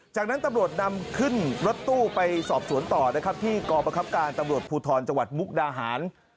จากนั้นตำรวจนำขึ้นรถตู้ไปสอบสวนต่อนะครับที่กรประคับการตำรวจภูทรจังหวัดมุกดาหาร